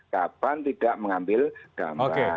kapan tidak mengambil gambar